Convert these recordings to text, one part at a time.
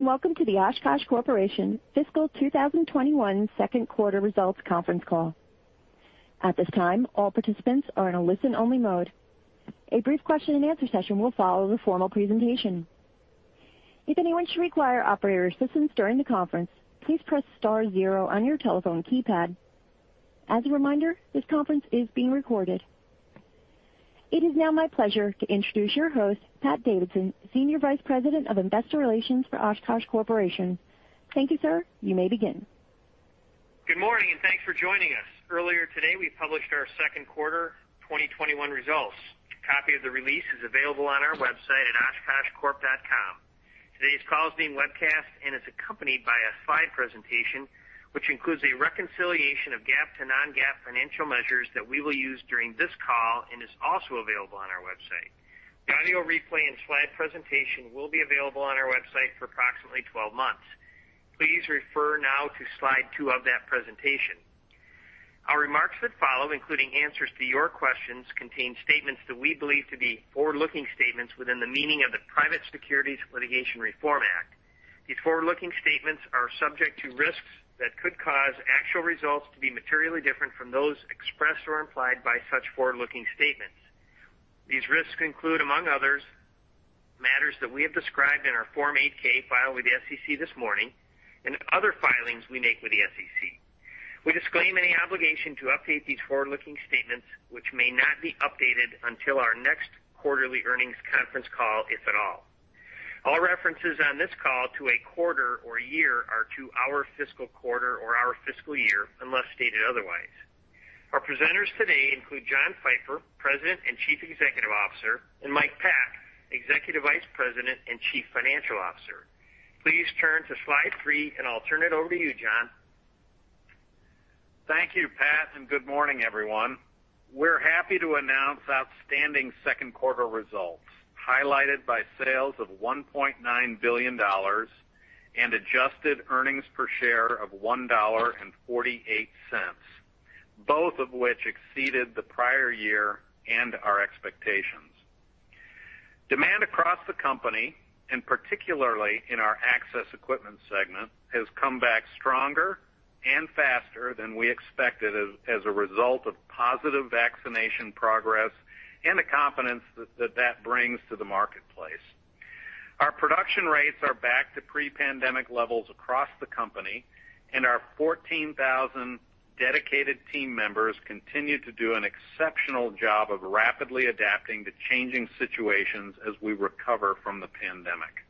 Welcome to the Oshkosh Corporation Fiscal 2021 Second Quarter Results Conference Call. At this time, all participants are in a listen-only mode. A brief question and answer session will follow the formal presentation. If anyone should require operator assistance during the conference, please press star zero on your telephone keypad. As a reminder, this conference is being recorded. It is now my pleasure to introduce your host, Pat Davidson, Senior Vice President of Investor Relations for Oshkosh Corporation. Thank you, sir. You may begin. Good morning. Thanks for joining us. Earlier today, we published our second quarter 2021 results. A copy of the release is available on our website at oshkoshcorp.com. Today's call is being webcast and is accompanied by a slide presentation, which includes a reconciliation of GAAP to non-GAAP financial measures that we will use during this call and is also available on our website. The audio replay and slide presentation will be available on our website for approximately 12 months. Please refer now to slide two of that presentation. Our remarks that follow, including answers to your questions, contain statements that we believe to be forward-looking statements within the meaning of the Private Securities Litigation Reform Act. These forward-looking statements are subject to risks that could cause actual results to be materially different from those expressed or implied by such forward-looking statements. These risks include, among others, matters that we have described in our Form 8-K filed with the SEC this morning and other filings we make with the SEC. We disclaim any obligation to update these forward-looking statements, which may not be updated until our next quarterly earnings conference call, if at all. All references on this call to a quarter or year are to our fiscal quarter or our fiscal year, unless stated otherwise. Our presenters today include John Pfeifer, President and Chief Executive Officer, and Mike Pack, Executive Vice President and Chief Financial Officer. Please turn to slide three. I'll turn it over to you, John. Thank you, Pat. Good morning, everyone. We're happy to announce outstanding second quarter results, highlighted by sales of $1.9 billion and adjusted earnings per share of $1.48, both of which exceeded the prior year and our expectations. Demand across the company, and particularly in our Access Equipment segment, has come back stronger and faster than we expected as a result of positive vaccination progress and the confidence that that brings to the marketplace. Our production rates are back to pre-pandemic levels across the company, and our 14,000 dedicated team members continue to do an exceptional job of rapidly adapting to changing situations as we recover from the pandemic.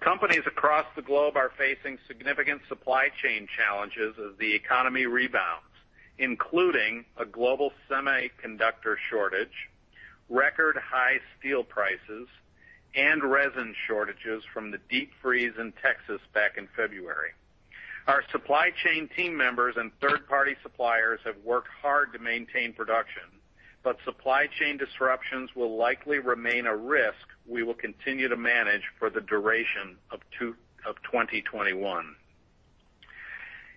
Companies across the globe are facing significant supply chain challenges as the economy rebounds, including a global semiconductor shortage, record high steel prices, and resin shortages from the deep freeze in Texas back in February. Our supply chain team members and third-party suppliers have worked hard to maintain production, but supply chain disruptions will likely remain a risk we will continue to manage for the duration of 2021.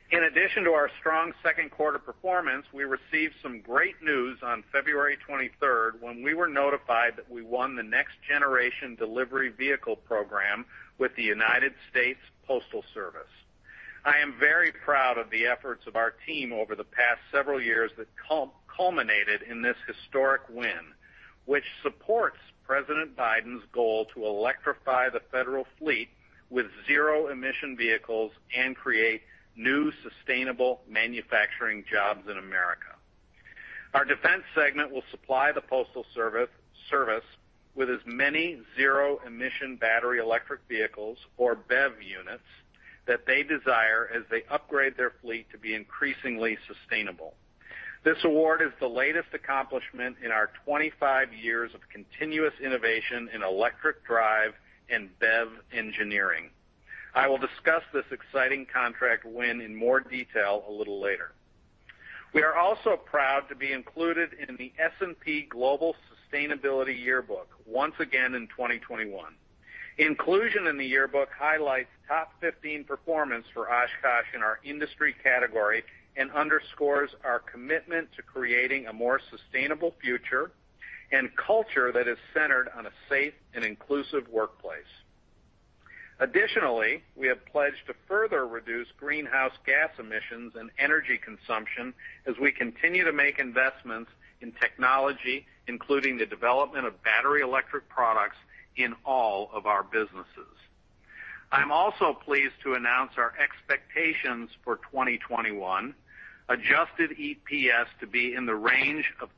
In addition to our strong second quarter performance, we received some great news on February 23rd when we were notified that we won the Next Generation Delivery Vehicle program with the United States Postal Service. I am very proud of the efforts of our team over the past several years that culminated in this historic win, which supports President Biden's goal to electrify the federal fleet with zero-emission vehicles and create new sustainable manufacturing jobs in America. Our Defense segment will supply the Postal Service with as many zero-emission battery electric vehicles, or BEV units, that they desire as they upgrade their fleet to be increasingly sustainable. This award is the latest accomplishment in our 25 years of continuous innovation in electric drive and BEV engineering. I will discuss this exciting contract win in more detail a little later. We are also proud to be included in the S&P Global Sustainability Yearbook once again in 2021. Inclusion in the yearbook highlights top 15 performance for Oshkosh in our industry category and underscores our commitment to creating a more sustainable future and culture that is centered on a safe and inclusive workplace. Additionally, we have pledged to further reduce greenhouse gas emissions and energy consumption as we continue to make investments in technology, including the development of battery electric products in all of our businesses. I'm also pleased to announce our expectations for 2021, adjusted EPS to be in the range of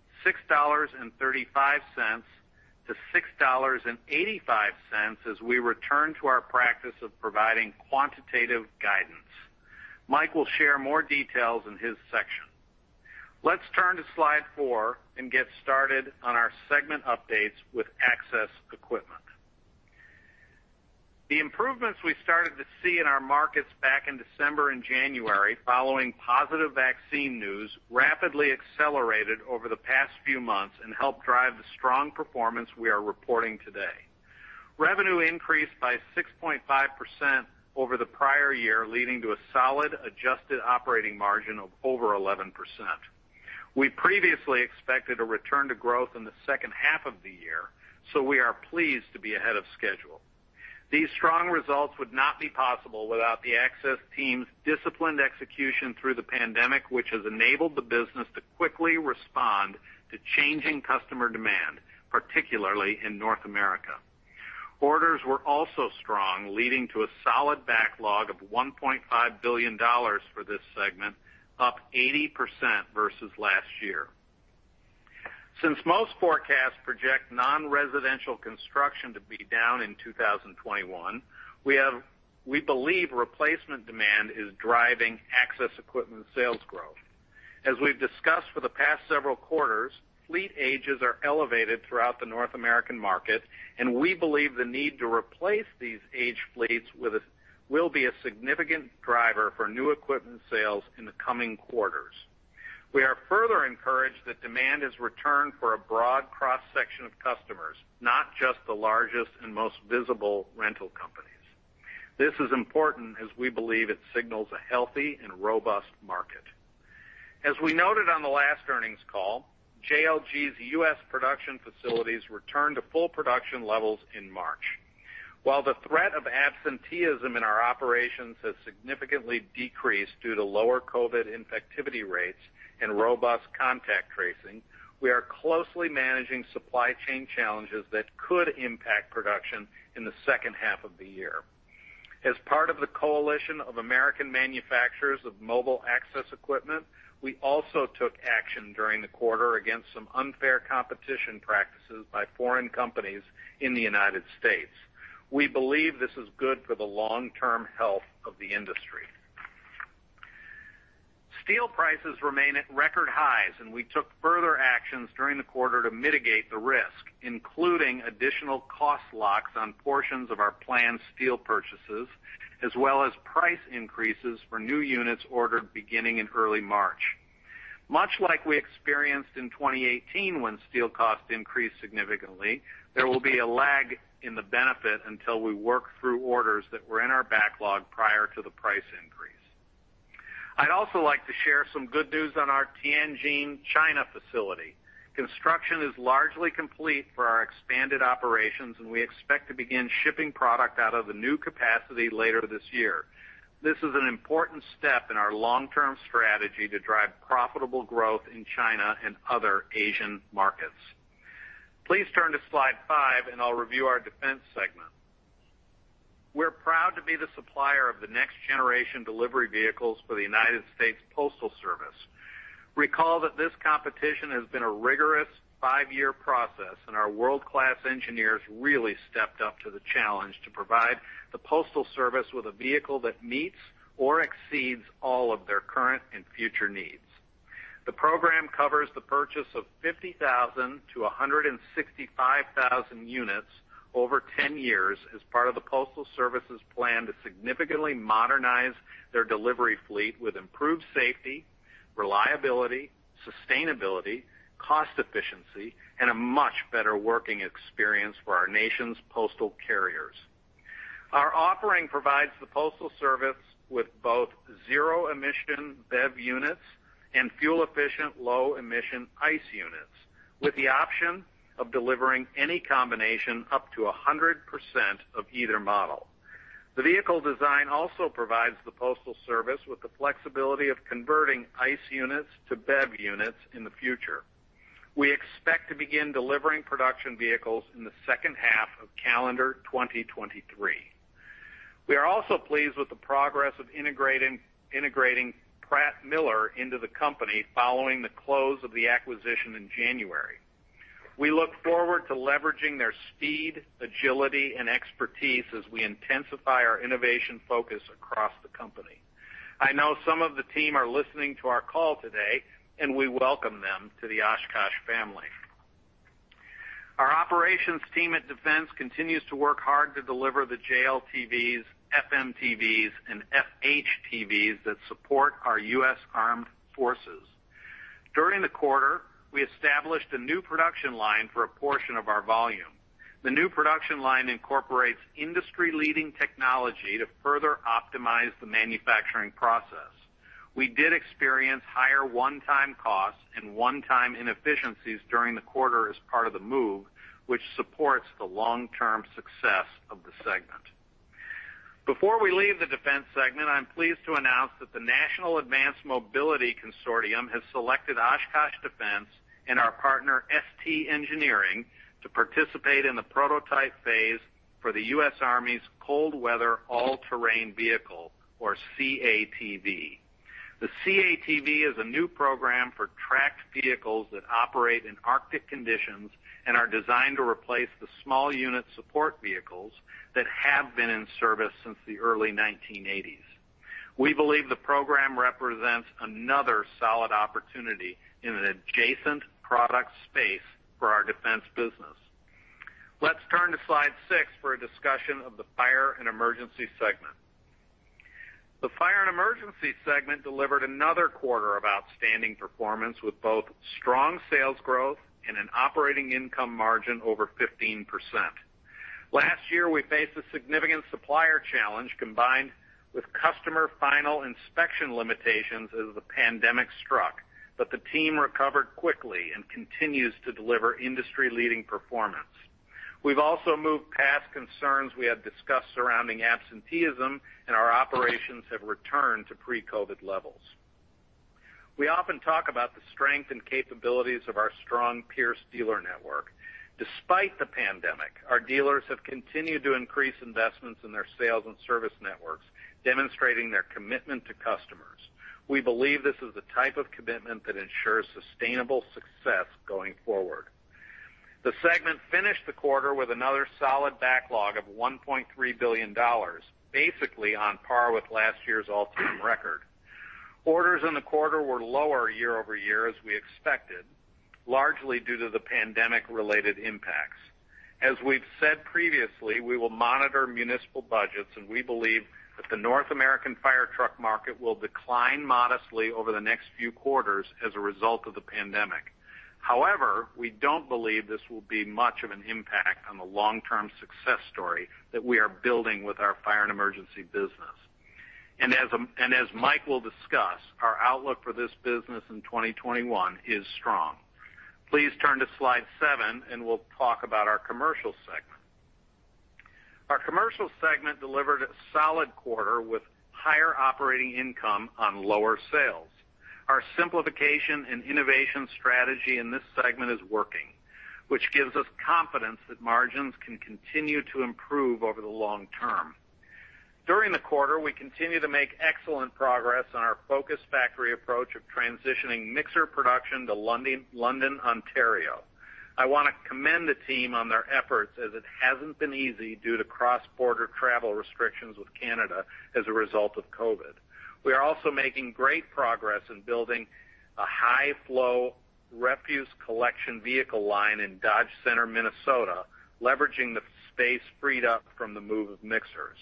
$6.35-$6.85 as we return to our practice of providing quantitative guidance. Mike will share more details in his section. Let's turn to slide four and get started on our segment updates with Access Equipment. The improvements we started to see in our markets back in December and January following positive vaccine news rapidly accelerated over the past few months and helped drive the strong performance we are reporting today. Revenue increased by 6.5% over the prior year, leading to a solid adjusted operating margin of over 11%. We previously expected a return to growth in the second half of the year, so we are pleased to be ahead of schedule. These strong results would not be possible without the Access team's disciplined execution through the pandemic, which has enabled the business to quickly respond to changing customer demand, particularly in North America. Orders were also strong, leading to a solid backlog of $1.5 billion for this segment, up 80% versus last year. Since most forecasts project non-residential construction to be down in 2021, we believe replacement demand is driving Access Equipment sales growth. As we've discussed for the past several quarters, fleet ages are elevated throughout the North American market, we believe the need to replace these aged fleets will be a significant driver for new equipment sales in the coming quarters. We are further encouraged that demand has returned for a broad cross-section of customers, not just the largest and most visible rental companies. This is important as we believe it signals a healthy and robust market. As we noted on the last earnings call, JLG's U.S. production facilities returned to full production levels in March. While the threat of absenteeism in our operations has significantly decreased due to lower COVID-19 infectivity rates and robust contact tracing, we are closely managing supply chain challenges that could impact production in the second half of the year. As part of the coalition of American manufacturers of mobile Access Equipment, we also took action during the quarter against some unfair competition practices by foreign companies in the U.S. We believe this is good for the long-term health of the industry. Steel prices remain at record highs, and we took further actions during the quarter to mitigate the risk, including additional cost locks on portions of our planned steel purchases, as well as price increases for new units ordered beginning in early March. Much like we experienced in 2018 when steel costs increased significantly, there will be a lag in the benefit until we work through orders that were in our backlog prior to the price increase. I'd also like to share some good news on our Tianjin, China, facility. Construction is largely complete for our expanded operations, and we expect to begin shipping product out of the new capacity later this year. This is an important step in our long-term strategy to drive profitable growth in China and other Asian markets. Please turn to slide five, and I'll review our Defense Segment. We're proud to be the supplier of the Next Generation Delivery Vehicles for the United States Postal Service. Recall that this competition has been a rigorous five-year process. Our world-class engineers really stepped up to the challenge to provide the Postal Service with a vehicle that meets or exceeds all of their current and future needs. The program covers the purchase of 50,000-165,000 units over 10 years as part of the Postal Service's plan to significantly modernize their delivery fleet with improved safety, reliability, sustainability, cost efficiency, and a much better working experience for our nation's postal carriers. Our offering provides the Postal Service with both zero-emission BEV units and fuel-efficient, low-emission ICE units, with the option of delivering any combination up to 100% of either model. The vehicle design also provides the Postal Service with the flexibility of converting ICE units to BEV units in the future. We expect to begin delivering production vehicles in the second half of calendar 2023. We are also pleased with the progress of integrating Pratt Miller into the company following the close of the acquisition in January. We look forward to leveraging their speed, agility, and expertise as we intensify our innovation focus across the company. I know some of the team are listening to our call today, and we welcome them to the Oshkosh family. Our operations team at Defense continues to work hard to deliver the JLTVs, FMTVs, and FHTVs that support our U.S. Armed Forces. During the quarter, we established a new production line for a portion of our volume. The new production line incorporates industry-leading technology to further optimize the manufacturing process. We did experience higher one-time costs and one-time inefficiencies during the quarter as part of the move, which supports the long-term success of the segment. Before we leave the Defense segment, I'm pleased to announce that the National Advanced Mobility Consortium has selected Oshkosh Defense and our partner, ST Engineering, to participate in the prototype phase for the U.S. Army's Cold Weather All-Terrain Vehicle, or CATV. The CATV is a new program for tracked vehicles that operate in Arctic conditions and are designed to replace the small unit support vehicles that have been in service since the early 1980s. We believe the program represents another solid opportunity in an adjacent product space for our Defense business. Let's turn to slide six for a discussion of the Fire & Emergency segment. The Fire & Emergency segment delivered another quarter of outstanding performance with both strong sales growth and an operating income margin over 15%. Last year, we faced a significant supplier challenge combined with customer final inspection limitations as the pandemic struck, but the team recovered quickly and continues to deliver industry-leading performance. We've also moved past concerns we had discussed surrounding absenteeism, and our operations have returned to pre-COVID levels. We often talk about the strength and capabilities of our strong Pierce dealer network. Despite the pandemic, our dealers have continued to increase investments in their sales and service networks, demonstrating their commitment to customers. We believe this is the type of commitment that ensures sustainable success going forward. The segment finished the quarter with another solid backlog of $1.3 billion, basically on par with last year's all-time record. Orders in the quarter were lower year-over-year as we expected, largely due to the pandemic-related impacts. As we've said previously, we will monitor municipal budgets, and we believe that the North American fire truck market will decline modestly over the next few quarters as a result of the pandemic. However, we don't believe this will be much of an impact on the long-term success story that we are building with our Fire & Emergency business. As Mike will discuss, our outlook for this business in 2021 is strong. Please turn to slide seven and we'll talk about our Commercial segment. Our Commercial segment delivered a solid quarter with higher operating income on lower sales. Our simplification and innovation strategy in this segment is working, which gives us confidence that margins can continue to improve over the long term. During the quarter, we continued to make excellent progress on our focused factory approach of transitioning mixer production to London, Ontario. I want to commend the team on their efforts as it hasn't been easy due to cross-border travel restrictions with Canada as a result of COVID. We are also making great progress in building a high-flow refuse collection vehicle line in Dodge Center, Minnesota, leveraging the space freed up from the move of mixers.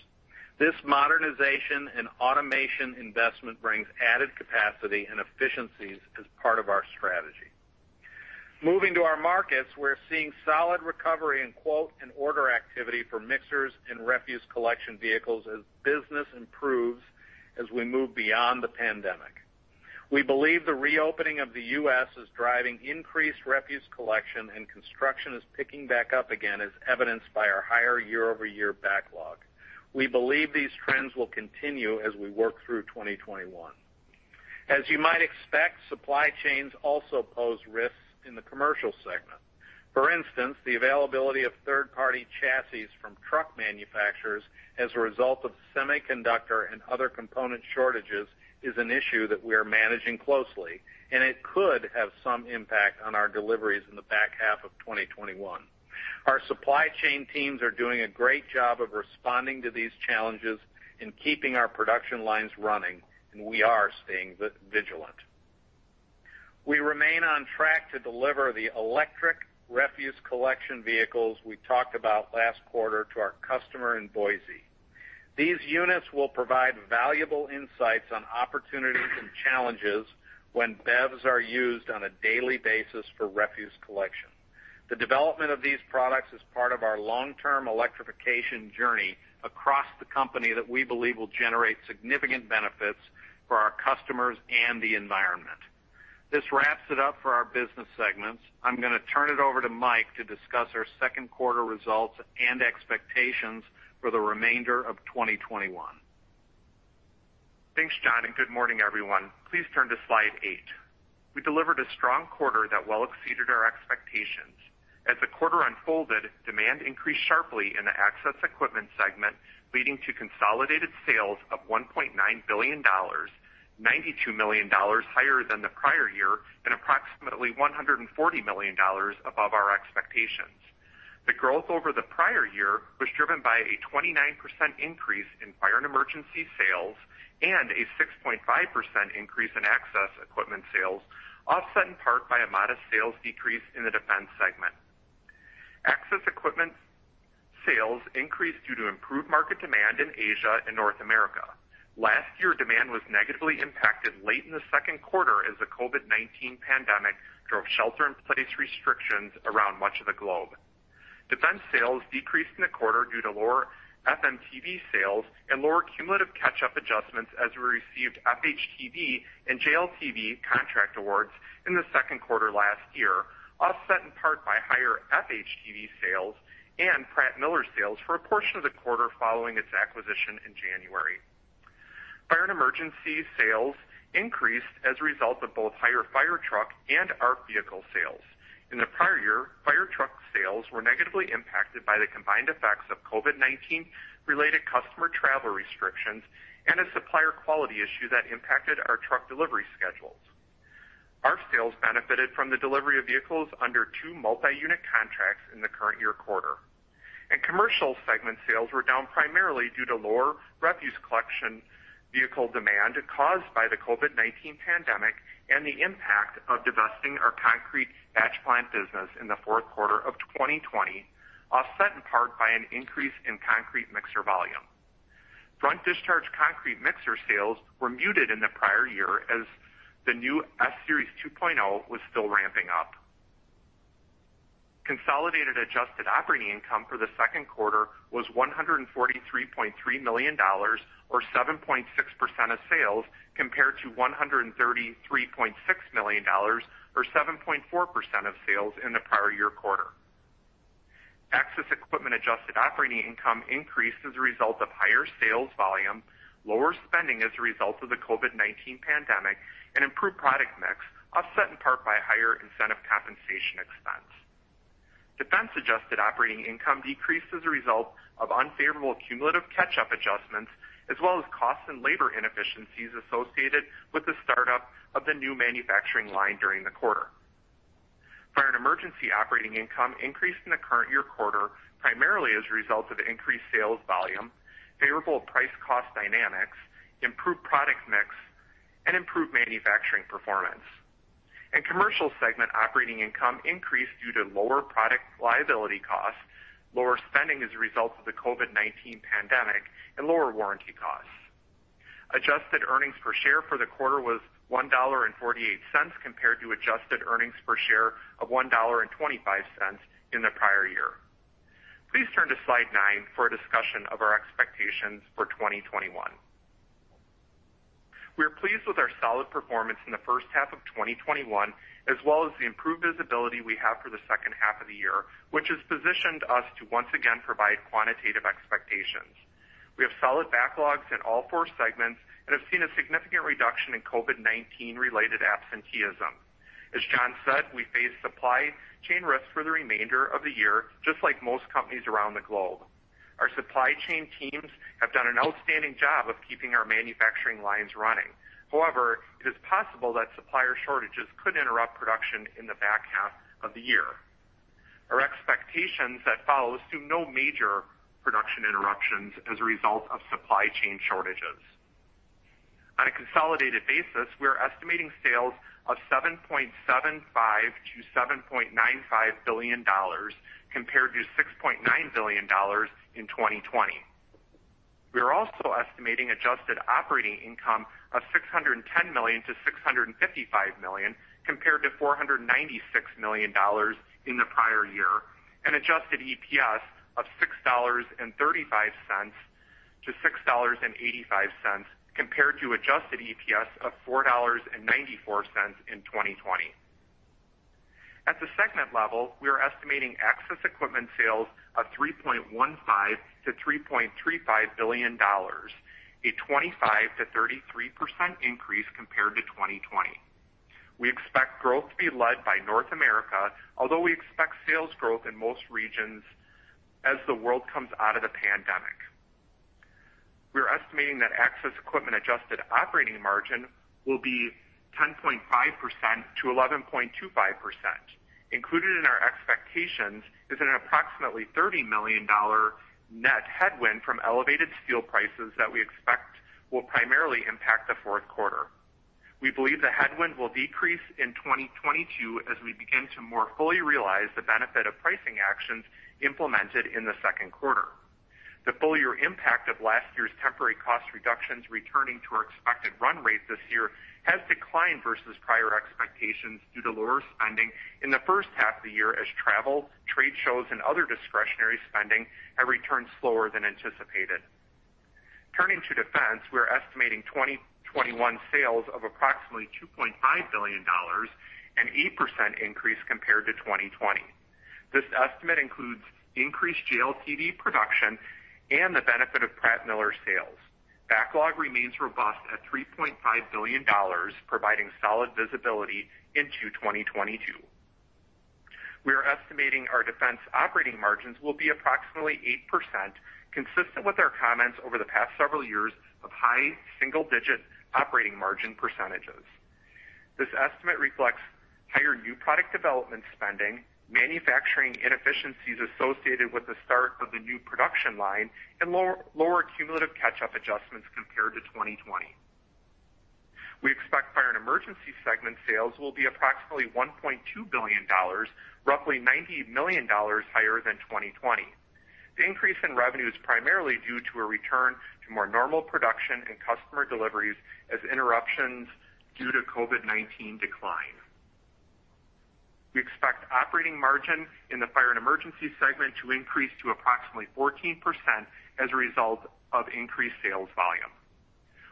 This modernization and automation investment brings added capacity and efficiencies as part of our strategy. Moving to our markets, we're seeing solid recovery in quote and order activity for mixers and refuse collection vehicles as business improves as we move beyond the pandemic. We believe the reopening of the U.S. is driving increased refuse collection and construction is picking back up again, as evidenced by our higher year-over-year backlog. We believe these trends will continue as we work through 2021. As you might expect, supply chains also pose risks in the Commercial segment. For instance, the availability of third-party chassis from truck manufacturers as a result of semiconductor and other component shortages is an issue that we are managing closely, and it could have some impact on our deliveries in the back half of 2021. Our supply chain teams are doing a great job of responding to these challenges and keeping our production lines running, and we are staying vigilant. We remain on track to deliver the electric refuse collection vehicles we talked about last quarter to our customer in Boise. These units will provide valuable insights on opportunities and challenges when BEVs are used on a daily basis for refuse collection. The development of these products is part of our long-term electrification journey across the company that we believe will generate significant benefits for our customers and the environment. This wraps it up for our business segments. I'm going to turn it over to Mike to discuss our second quarter results and expectations for the remainder of 2021. Thanks, John. Good morning, everyone. Please turn to slide eight. We delivered a strong quarter that well exceeded our expectations. As the quarter unfolded, demand increased sharply in the Access Equipment segment, leading to consolidated sales of $1.9 billion, $92 million higher than the prior year, and approximately $140 million above our expectations. The growth over the prior year was driven by a 29% increase in Fire & Emergency sales and a 6.5% increase in Access Equipment sales, offset in part by a modest sales decrease in the Defense segment. Access Equipment sales increased due to improved market demand in Asia and North America. Last year, demand was negatively impacted late in the second quarter as the COVID-19 pandemic drove shelter-in-place restrictions around much of the globe. Defense sales decreased in the quarter due to lower FMTV sales and lower cumulative catch-up adjustments as we received FHTV and JLTV contract awards in the second quarter last year, offset in part by higher FHTV sales and Pratt Miller sales for a portion of the quarter following its acquisition in January. Fire & Emergency sales increased as a result of both higher fire truck and ARFF vehicle sales. In the prior year, fire truck sales were negatively impacted by the combined effects of COVID-19 related customer travel restrictions and a supplier quality issue that impacted our truck delivery schedules. Our sales benefited from the delivery of vehicles under two multi-unit contracts in the current year quarter. Commercial segment sales were down primarily due to lower refuse collection vehicle demand caused by the COVID-19 pandemic and the impact of divesting our concrete batch plant business in the fourth quarter of 2020, offset in part by an increase in concrete mixer volume. Front discharge concrete mixer sales were muted in the prior year as the new S-Series 2.0 was still ramping up. Consolidated adjusted operating income for the second quarter was $143.3 million, or 7.6% of sales, compared to $133.6 million or 7.4% of sales in the prior year quarter. Access Equipment adjusted operating income increased as a result of higher sales volume, lower spending as a result of the COVID-19 pandemic, and improved product mix, offset in part by higher incentive compensation expense. Defense adjusted operating income decreased as a result of unfavorable cumulative catch-up adjustments as well as cost and labor inefficiencies associated with the startup of the new manufacturing line during the quarter. Fire & Emergency operating income increased in the current year quarter, primarily as a result of increased sales volume, favorable price-cost dynamics, improved product mix, and improved manufacturing performance. Commercial segment operating income increased due to lower product liability costs, lower spending as a result of the COVID-19 pandemic, and lower warranty costs. Adjusted earnings per share for the quarter was $1.48 compared to adjusted earnings per share of $1.25 in the prior year. Please turn to slide nine for a discussion of our expectations for 2021. We are pleased with our solid performance in the first half of 2021, as well as the improved visibility we have for the second half of the year, which has positioned us to once again provide quantitative expectations. We have solid backlogs in all four segments and have seen a significant reduction in COVID-19 related absenteeism. As John said, we face supply chain risks for the remainder of the year, just like most companies around the globe. Our supply chain teams have done an outstanding job of keeping our manufacturing lines running. It is possible that supplier shortages could interrupt production in the back half of the year. Our expectations that follow assume no major production interruptions as a result of supply chain shortages. On a consolidated basis, we are estimating sales of $7.75 billion-$7.95 billion compared to $6.9 billion in 2020. We are also estimating adjusted operating income of $610 million-$655 million compared to $496 million in the prior year, and adjusted EPS of $6.35-$6.85 compared to adjusted EPS of $4.94 in 2020. At the segment level, we are estimating Access Equipment sales of $3.15 billion-$3.35 billion, a 25%-33% increase compared to 2020. We expect growth to be led by North America, although we expect sales growth in most regions as the world comes out of the pandemic. We are estimating that Access Equipment adjusted operating margin will be 10.5%-11.25%. Included in our expectations is an approximately $30 million net headwind from elevated steel prices that we expect will primarily impact the fourth quarter. We believe the headwind will decrease in 2022 as we begin to more fully realize the benefit of pricing actions implemented in the second quarter. The full year impact of last year's temporary cost reductions returning to our expected run rate this year has declined versus prior expectations due to lower spending in the first half of the year as travel, trade shows, and other discretionary spending have returned slower than anticipated. Turning to Defense, we are estimating 2021 sales of approximately $2.5 billion, an 8% increase compared to 2020. This estimate includes increased JLTV production and the benefit of Pratt Miller sales. Backlog remains robust at $3.5 billion, providing solid visibility into 2022. We are estimating our Defense operating margins will be approximately 8%, consistent with our comments over the past several years of high single-digit operating margin percentages. This estimate reflects higher new product development spending, manufacturing inefficiencies associated with the start of the new production line, and lower cumulative catch-up adjustments compared to 2020. We expect Fire & Emergency segment sales will be approximately $1.2 billion, roughly $90 million higher than 2020. The increase in revenue is primarily due to a return to more normal production and customer deliveries as interruptions due to COVID-19 decline. We expect operating margin in the Fire & Emergency segment to increase to approximately 14% as a result of increased sales volume.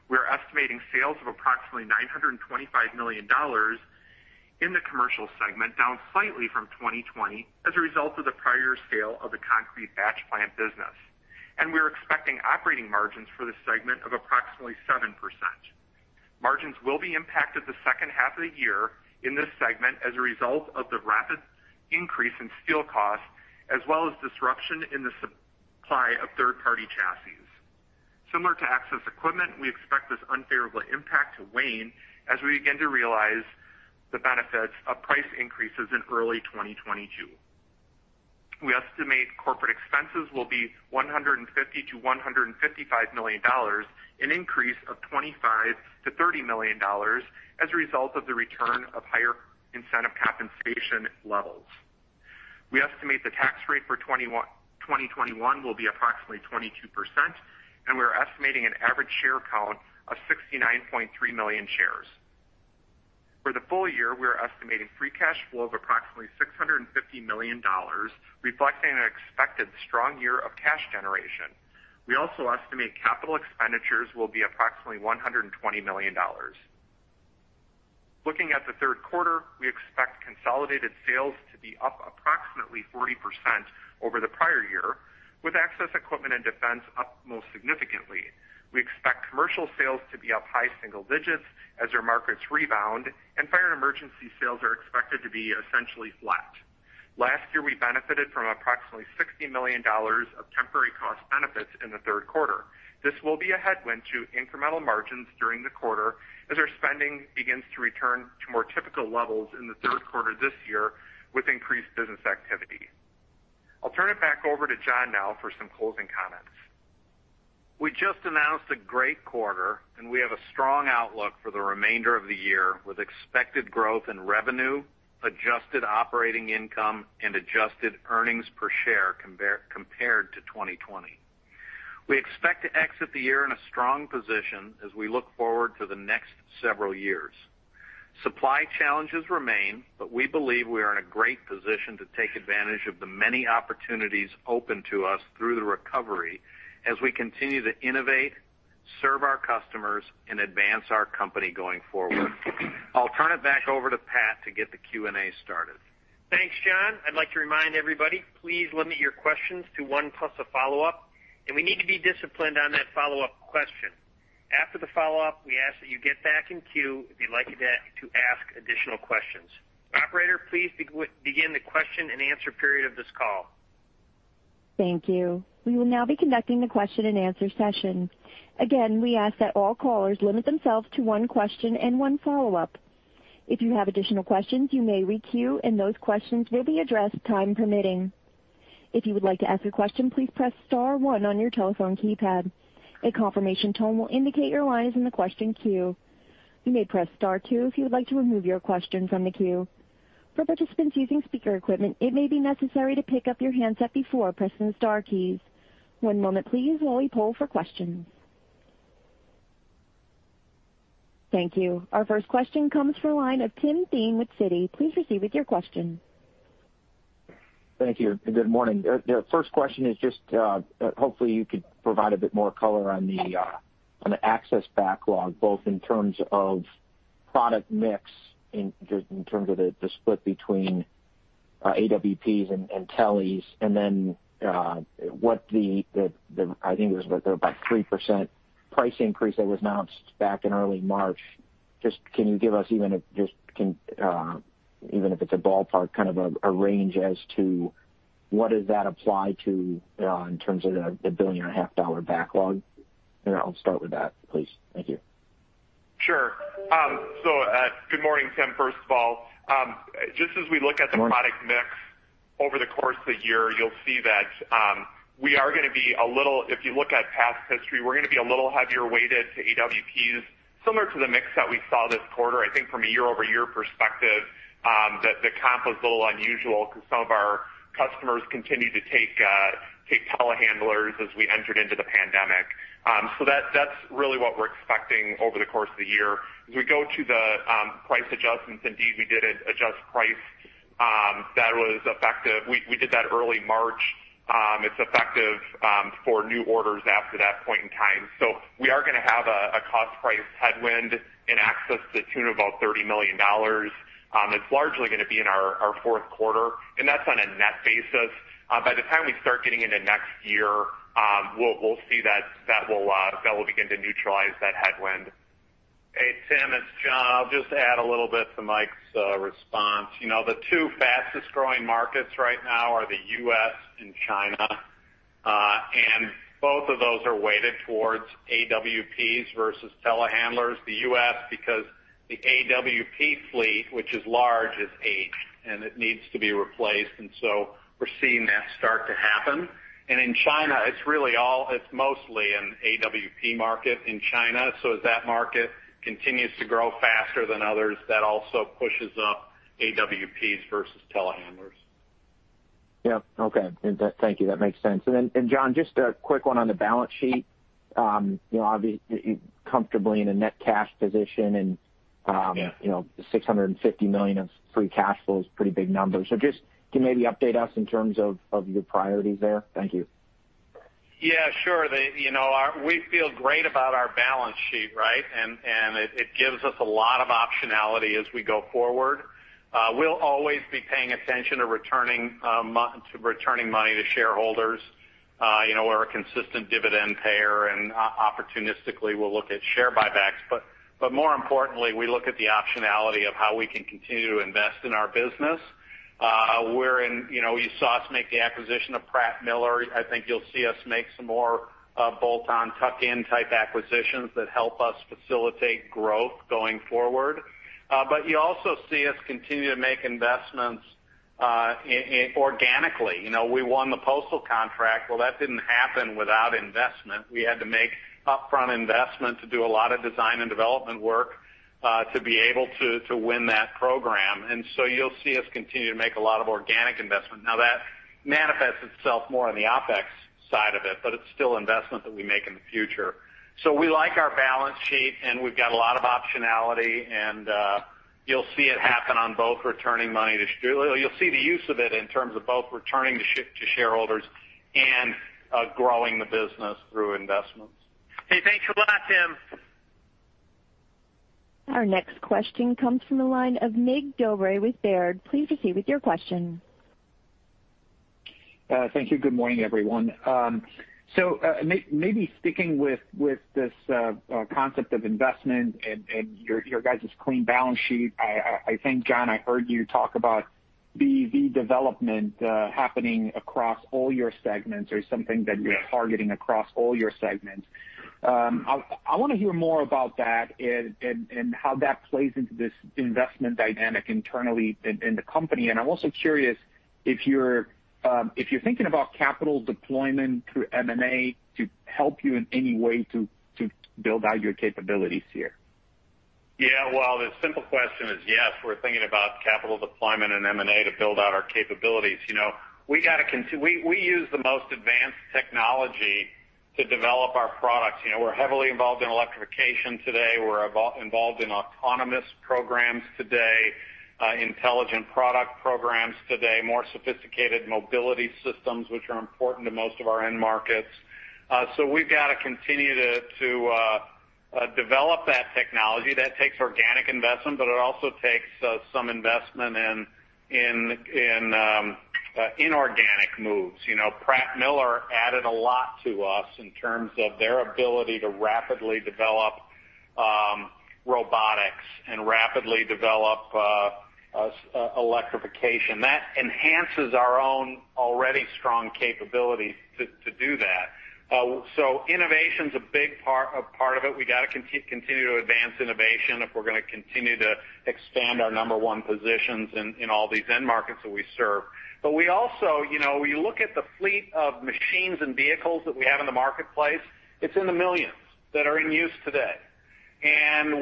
We are estimating sales of approximately $925 million in the Commercial segment, down slightly from 2020 as a result of the prior year's sale of the concrete batch plant business. We are expecting operating margins for this segment of approximately 7%. Margins will be impacted the second half of the year in this segment as a result of the rapid increase in steel costs as well as disruption in the supply of third-party chassis. Similar to Access Equipment, we expect this unfavorable impact to wane as we begin to realize the benefits of price increases in early 2022. We estimate corporate expenses will be $150 million-$155 million, an increase of $25 million-$30 million as a result of the return of higher incentive compensation levels. We estimate the tax rate for 2021 will be approximately 22%, and we're estimating an average share count of 69.3 million shares. For the full year, we are estimating free cash flow of approximately $650 million, reflecting an expected strong year of cash generation. We also estimate capital expenditures will be approximately $120 million. Looking at the third quarter, we expect consolidated sales to be up approximately 40% over the prior year, with Access Equipment and Defense up most significantly. We expect Commercial sales to be up high single digits as their markets rebound. Fire & Emergency sales are expected to be essentially flat. Last year, we benefited from approximately $60 million of temporary cost benefits in the third quarter. This will be a headwind to incremental margins during the quarter as our spending begins to return to more typical levels in the third quarter this year with increased business activity. I'll turn it back over to John now for some closing comments. We just announced a great quarter, and we have a strong outlook for the remainder of the year, with expected growth in revenue, adjusted operating income, and adjusted earnings per share compared to 2020. We expect to exit the year in a strong position as we look forward to the next several years. Supply challenges remain, but we believe we are in a great position to take advantage of the many opportunities open to us through the recovery as we continue to innovate, serve our customers, and advance our company going forward. I'll turn it back over to Pat to get the Q&A started. Thanks, John. I'd like to remind everybody, please limit your questions to one plus a follow-up, and we need to be disciplined on that follow-up question. After the follow-up, we ask that you get back in queue if you'd like to ask additional questions. Operator, please begin the question and answer period of this call. Thank you. We will now be conducting the question-and-answer session. Again, we ask that all callers limit themselves to one question and one follow-up. If you have additional questions, you may re-queue, and those questions will be addressed, time permitting. If you would like to ask a question, please press star one on your telephone keypad. A confirmation tone will indicate your line is in the question queue. You may press star two if you would like to remove your question from the queue. For participants using speaker equipment, it may be necessary to pick up your handset before pressing the star keys. One moment please while we poll for questions. Thank you. Our first question comes from the line of Tim Thein with Citi. Please proceed with your question. Thank you. Good morning. The first question is just, hopefully you could provide a bit more color on the Access backlog, both in terms of product mix, in terms of the split between AWPs and teles, and then what the, I think it was about 3% price increase that was announced back in early March. Just can you give us, even if it's a ballpark, kind of a range as to what does that apply to in terms of the $1.5 billion backlog? I'll start with that, please. Thank you. Sure. Good morning, Tim, first of all. Just as we look at the product mix over the course of the year, you'll see that we are going to be a little, if you look at past history, we're going to be a little heavier weighted to AWPs, similar to the mix that we saw this quarter. I think from a year-over-year perspective, the comp was a little unusual because some of our customers continued to take telehandlers as we entered into the pandemic. That's really what we're expecting over the course of the year. As we go to the price adjustments, indeed, we did adjust price. We did that early March. It's effective for new orders after that point in time. We are going to have a cost price headwind in Access to the tune of about $30 million. It's largely going to be in our fourth quarter, and that's on a net basis. By the time we start getting into next year, we'll see that that will begin to neutralize that headwind. Hey, Tim, it's John. I'll just add a little bit to Mike's response. The two fastest-growing markets right now are the U.S. and China. Both of those are weighted towards AWPs versus telehandlers. The U.S., because the AWP fleet, which is large, is aged, and it needs to be replaced. We're seeing that start to happen. In China, it's mostly an AWP market in China. As that market continues to grow faster than others, that also pushes up AWPs versus telehandlers. Yep. Okay. Thank you. That makes sense. John, just a quick one on the balance sheet. You're comfortably in a net cash position. Yeah $650 million of free cash flow is pretty big numbers. Just can you maybe update us in terms of your priorities there? Thank you. Yeah, sure. We feel great about our balance sheet, right? It gives us a lot of optionality as we go forward. We'll always be paying attention to returning money to shareholders. We're a consistent dividend payer, and opportunistically, we'll look at share buybacks. More importantly, we look at the optionality of how we can continue to invest in our business. You saw us make the acquisition of Pratt Miller. I think you'll see us make some more bolt-on, tuck-in type acquisitions that help us facilitate growth going forward. You also see us continue to make investments. Organically, we won the postal contract. That didn't happen without investment. We had to make upfront investment to do a lot of design and development work, to be able to win that program. You'll see us continue to make a lot of organic investment. That manifests itself more on the OpEx side of it, but it's still investment that we make in the future. We like our balance sheet, and we've got a lot of optionality, and you'll see it happen on both. You'll see the use of it in terms of both returning to shareholders and growing the business through investments. Hey, thanks a lot, Tim. Our next question comes from the line of Mig Dobre with Baird. Please proceed with your question. Thank you. Good morning, everyone. Maybe sticking with this concept of investment and your guys' clean balance sheet. I think, John, I heard you talk about the development happening across all your segments. Yes you're targeting across all your segments. I want to hear more about that and how that plays into this investment dynamic internally in the company. I'm also curious if you're thinking about capital deployment through M&A to help you in any way to build out your capabilities here. Yeah. Well, the simple question is, yes, we're thinking about capital deployment and M&A to build out our capabilities. We use the most advanced technology to develop our products. We're heavily involved in electrification today. We're involved in autonomous programs today, intelligent product programs today, more sophisticated mobility systems, which are important to most of our end markets. We've got to continue to develop that technology. That takes organic investment, but it also takes some investment in inorganic moves. Pratt Miller added a lot to us in terms of their ability to rapidly develop robotics and rapidly develop electrification. That enhances our own already strong capabilities to do that. Innovation's a big part of it. We got to continue to advance innovation if we're going to continue to expand our number one positions in all these end markets that we serve. We also look at the fleet of machines and vehicles that we have in the marketplace. It's in the millions that are in use today.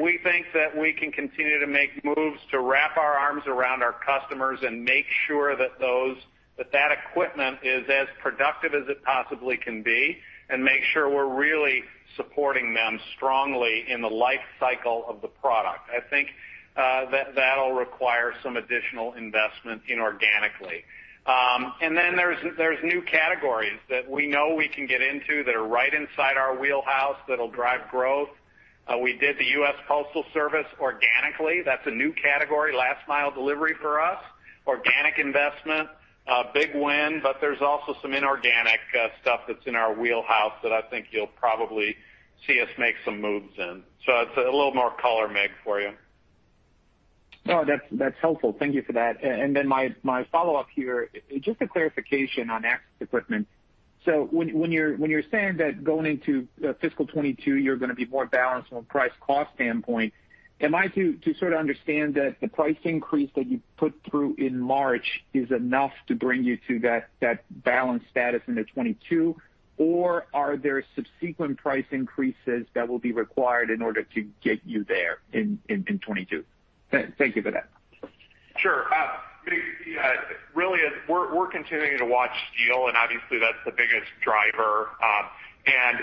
We think that we can continue to make moves to wrap our arms around our customers and make sure that that equipment is as productive as it possibly can be, and make sure we're really supporting them strongly in the life cycle of the product. I think that'll require some additional investment inorganically. Then there's new categories that we know we can get into that are right inside our wheelhouse that'll drive growth. We did the U.S. Postal Service organically. That's a new category, last mile delivery for us. Organic investment, a big win, but there's also some inorganic stuff that's in our wheelhouse that I think you'll probably see us make some moves in. That's a little more color, Mig, for you. No, that's helpful. Thank you for that. My follow-up here, just a clarification on Access equipment. When you're saying that going into fiscal 2022, you're going to be more balanced from a price cost standpoint. Am I to sort of understand that the price increase that you put through in March is enough to bring you to that balanced status into 2022? Are there subsequent price increases that will be required in order to get you there in 2022? Thank you for that. Sure. Mig, really, we're continuing to watch steel, obviously, that's the biggest driver.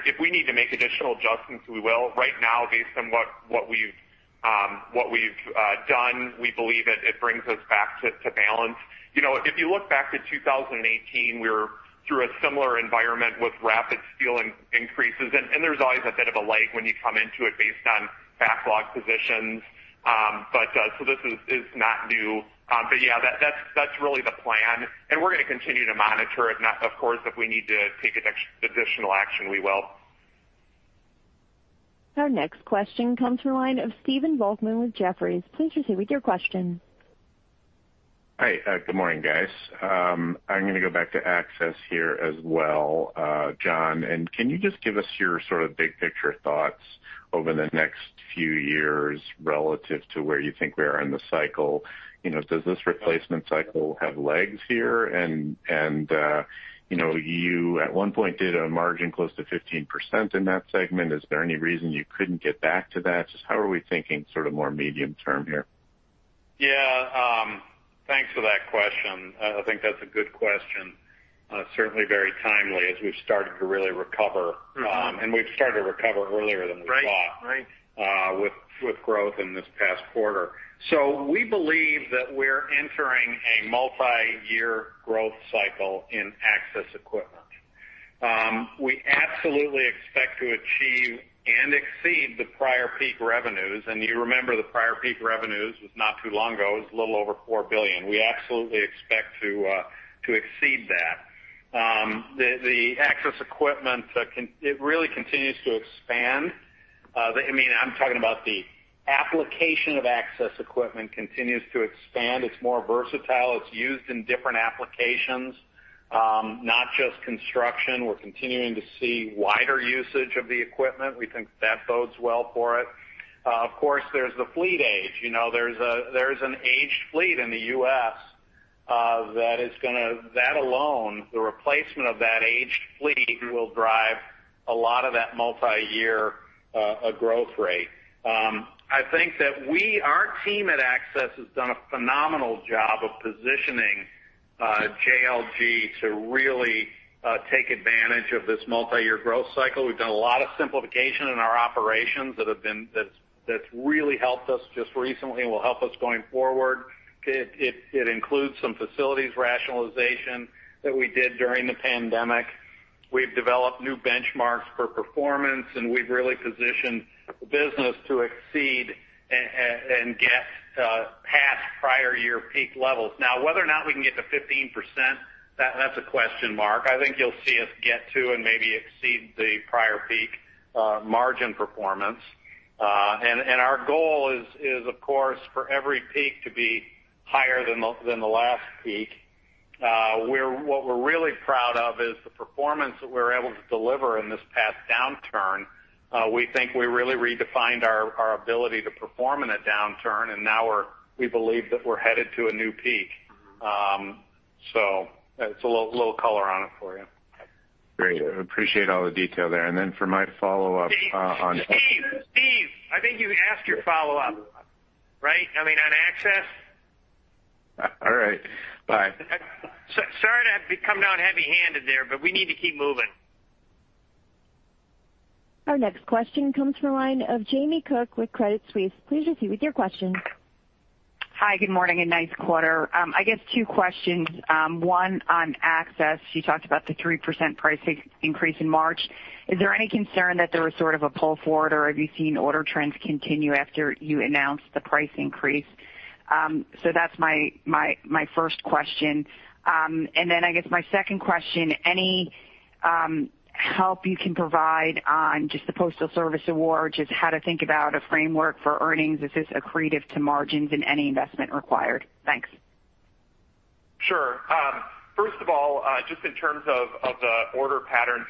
If we need to make additional adjustments, we will. Right now, based on what we've done, we believe it brings us back to balance. If you look back to 2018, we were through a similar environment with rapid steel increases, there's always a bit of a lag when you come into it based on backlog positions. This is not new. Yeah, that's really the plan, we're going to continue to monitor it. Of course, if we need to take additional action, we will. Our next question comes from the line of Stephen Volkmann with Jefferies. Please proceed with your question. Hi. Good morning, guys. I'm going to go back to Access here as well. John, can you just give us your sort of big picture thoughts over the next few years relative to where you think we are in the cycle? Does this replacement cycle have legs here? You at one point did a margin close to 15% in that segment. Is there any reason you couldn't get back to that? Just how are we thinking sort of more medium term here? Yeah. Thanks for that question. I think that's a good question. Certainly very timely as we've started to really recover, and we've started to recover earlier than we thought. Right with growth in this past quarter. We believe that we're entering a multi-year growth cycle in Access Equipment. We absolutely expect to achieve and exceed the prior peak revenues. You remember the prior peak revenues was not too long ago. It was a little over $4 billion. We absolutely expect to exceed that. The Access Equipment, it really continues to expand. I'm talking about the application of Access Equipment continues to expand. It's more versatile. It's used in different applications. Not just construction. We're continuing to see wider usage of the equipment. We think that bodes well for it. Of course, there's the fleet age. There's an aged fleet in the U.S. That alone, the replacement of that aged fleet will drive a lot of that multi-year growth rate. I think that our team at Access has done a phenomenal job of positioning JLG to really take advantage of this multi-year growth cycle. We've done a lot of simplification in our operations that's really helped us just recently and will help us going forward. It includes some facilities rationalization that we did during the pandemic. We've developed new benchmarks for performance. We've really positioned the business to exceed and get past prior year peak levels. Whether or not we can get to 15%, that's a question mark. I think you'll see us get to and maybe exceed the prior peak margin performance. Our goal is, of course, for every peak to be higher than the last peak. What we're really proud of is the performance that we were able to deliver in this past downturn. We think we really redefined our ability to perform in a downturn, now we believe that we're headed to a new peak. That's a little color on it for you. Great. I appreciate all the detail there. Steve. I think you asked your follow-up. Right? I mean, on Access? All right. Bye. Sorry to come down heavy-handed there, but we need to keep moving. Our next question comes from the line of Jamie Cook with Credit Suisse. Please proceed with your question. Hi, good morning, and nice quarter. I guess two questions. One on Access. You talked about the 3% price increase in March. Is there any concern that there was sort of a pull forward, or have you seen order trends continue after you announced the price increase? That's my first question. I guess my second question. Any help you can provide on just the Postal Service award, just how to think about a framework for earnings? Is this accretive to margins and any investment required? Thanks. Sure. First of all, just in terms of the order patterns.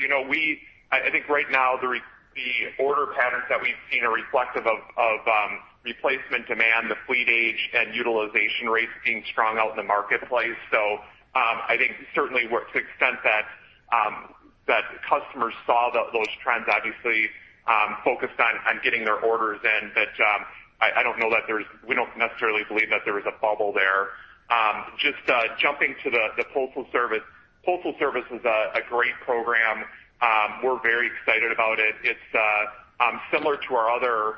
I think right now, the order patterns that we've seen are reflective of replacement demand, the fleet age, and utilization rates being strong out in the marketplace. I think certainly to the extent that customers saw those trends, obviously focused on getting their orders in. We don't necessarily believe that there was a bubble there. Just jumping to the Postal Service. Postal Service is a great program. We're very excited about it. It's similar to our other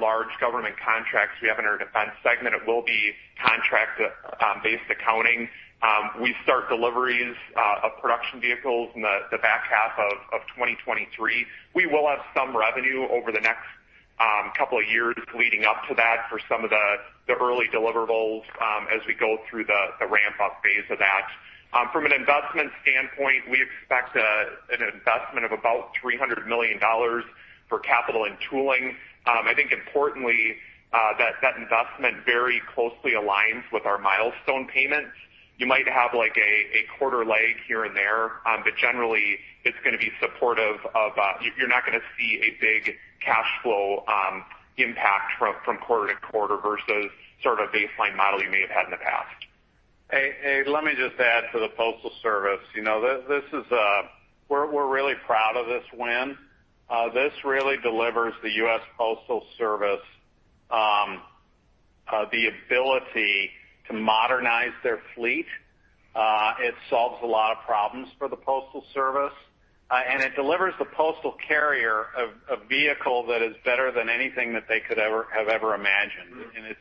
large government contracts we have in our Defense segment. It will be contract-based accounting. We start deliveries of production vehicles in the back half of 2023. We will have some revenue over the next couple of years leading up to that for some of the early deliverables as we go through the ramp-up phase of that. From an investment standpoint, we expect an investment of about $300 million for capital and tooling. I think importantly, that investment very closely aligns with our milestone payments. You might have a quarter lag here and there. Generally, you're not going to see a big cash flow impact from quarter to quarter versus sort of baseline model you may have had in the past. Hey, let me just add to the Postal Service. We're really proud of this win. This really delivers the U.S. Postal Service the ability to modernize their fleet. It solves a lot of problems for the Postal Service. It delivers the postal carrier a vehicle that is better than anything that they could have ever imagined.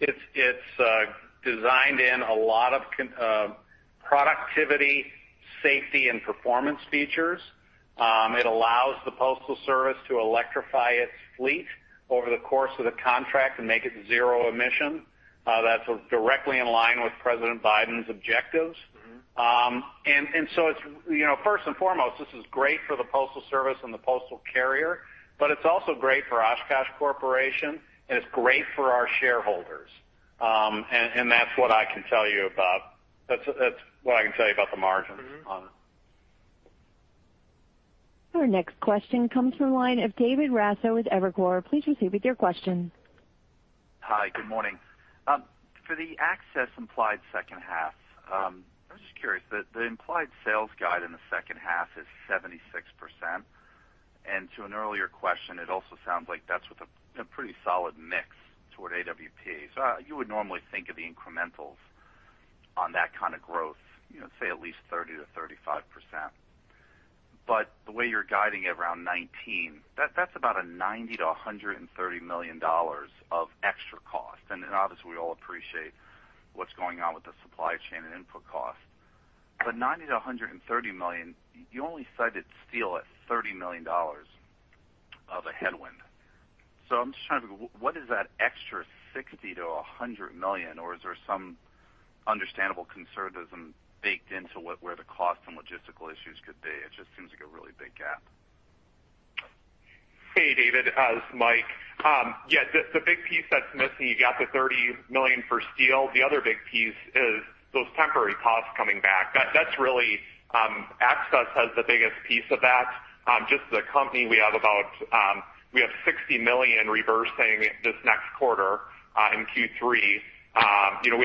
It's designed in a lot of productivity, safety, and performance features. It allows the Postal Service to electrify its fleet over the course of the contract and make it zero emission. That's directly in line with President Biden's objectives. First and foremost, this is great for the Postal Service and the postal carrier, but it's also great for Oshkosh Corporation, and it's great for our shareholders. That's what I can tell you about the margins on it. Our next question comes from the line of David Raso with Evercore. Please proceed with your question. Hi, good morning. For the Access implied second half, I'm just curious, the implied sales guide in the second half is 76%. To an earlier question, it also sounds like that's with a pretty solid mix toward AWP. You would normally think of the incrementals on that kind of growth, say at least 30%-35%. The way you're guiding it around 19%, that's about a $90 million-$130 million of extra cost. Obviously, we all appreciate what's going on with the supply chain and input costs. $90 million-$130 million, you only cited steel at $30 million of a headwind. I'm just trying to, what is that extra $60 million-$100 million, or is there some understandable conservatism baked into where the cost and logistical issues could be? It just seems like a really big gap. Hey, David. It's Mike. Yeah, the big piece that's missing, you've got the $30 million for steel. The other big piece is those temporary costs coming back. Access has the biggest piece of that. Just as a company, we have $60 million reversing this next quarter, in Q3. We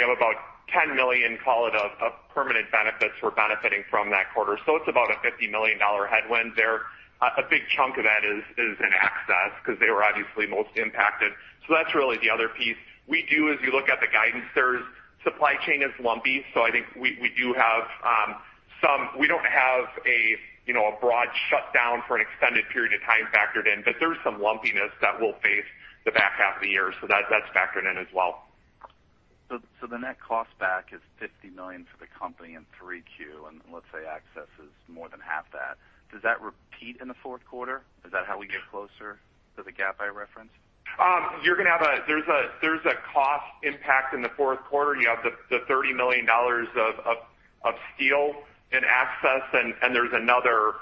have about $10 million, call it, of permanent benefits we're benefiting from that quarter. It's about a $50 million headwind there. A big chunk of that is in Access because they were obviously most impacted. That's really the other piece. We do, as you look at the guidance there, supply chain is lumpy. I think we don't have a broad shutdown for an extended period of time factored in, but there's some lumpiness that we'll face the back half of the year. That's factored in as well. The net cost back is $50 million for the company in 3Q, and let's say Access is more than half that. Does that repeat in the fourth quarter? Is that how we get closer to the gap I referenced? There's a cost impact in the fourth quarter. You have the $30 million of steel in Access, and there's another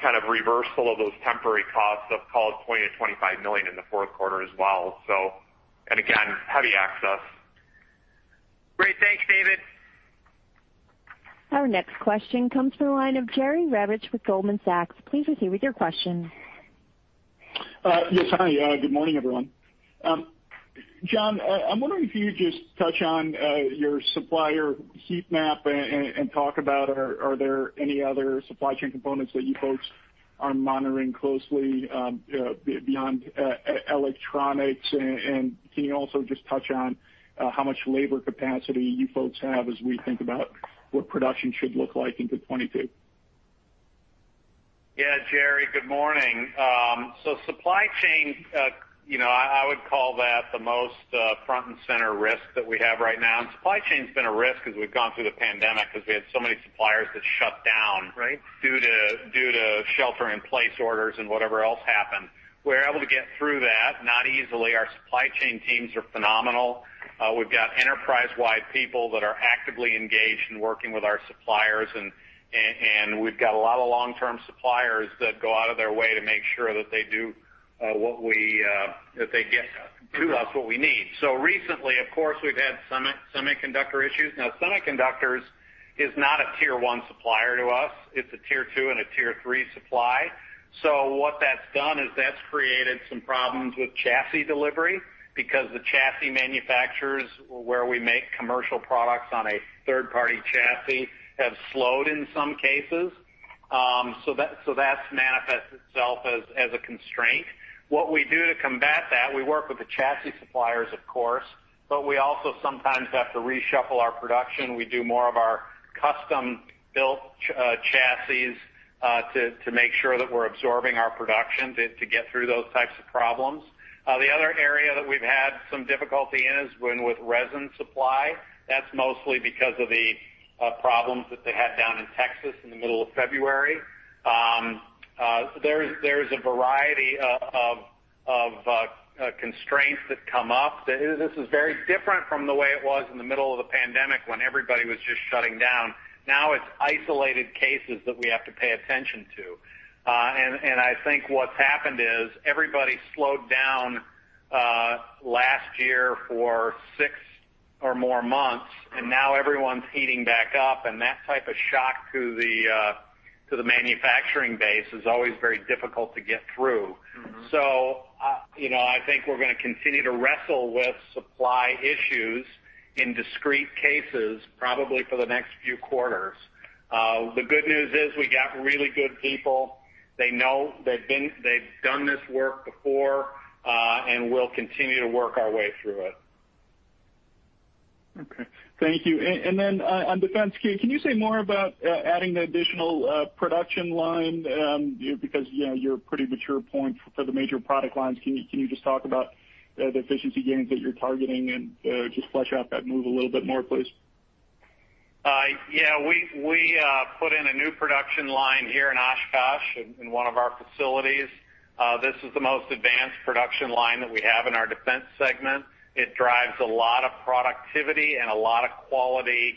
kind of reversal of those temporary costs of call it $20 million-$25 million in the fourth quarter as well. Again, heavy Access. Great. Thanks, David. Our next question comes from the line of Jerry Revich with Goldman Sachs. Please proceed with your question. Yes, hi. Good morning, everyone. John, I'm wondering if you could just touch on your supplier heat map and talk about are there any other supply chain components that you folks are monitoring closely beyond electronics? Can you also just touch on how much labor capacity you folks have as we think about what production should look like into 2022? Yeah. Jerry, good morning. Supply chain, I would call that the most front and center risk that we have right now. Supply chain's been a risk as we've gone through the pandemic because we had so many suppliers that shut down... Right ...due to shelter-in-place orders and whatever else happened. We were able to get through that, not easily. Our supply chain teams are phenomenal. We've got enterprise-wide people that are actively engaged in working with our suppliers, and we've got a lot of long-term suppliers that go out of their way to make sure that they get to us what we need. Recently, of course, we've had semiconductor issues. Now, semiconductors is not a Tier 1 supplier to us. It's a Tier 2 and a Tier 3 supply. What that's done is that's created some problems with chassis delivery because the chassis manufacturers where we make Commercial products on a third party chassis have slowed in some cases. That's manifested itself as a constraint. What we do to combat that, we work with the chassis suppliers, of course, but we also sometimes have to reshuffle our production. We do more of our custom built chassis to make sure that we're absorbing our production to get through those types of problems. The other area that we've had some difficulty in is with resin supply. That's mostly because of the problems that they had down in Texas in the middle of February. There's a variety of constraints that come up. This is very different from the way it was in the middle of the pandemic when everybody was just shutting down. Now it's isolated cases that we have to pay attention to. I think what's happened is everybody slowed down last year for six or more months, and now everyone's heating back up, and that type of shock to the manufacturing base is always very difficult to get through. I think we're going to continue to wrestle with supply issues in discrete cases, probably for the next few quarters. The good news is we got really good people. They know, they've done this work before, and we'll continue to work our way through it. Okay. Thank you. On Defense, can you say more about adding the additional production line? You're at a pretty mature point for the major product lines. Can you just talk about the efficiency gains that you're targeting and just flesh out that move a little bit more, please? Yeah. We put in a new production line here in Oshkosh in one of our facilities. This is the most advanced production line that we have in our Defense segment. It drives a lot of productivity and a lot of quality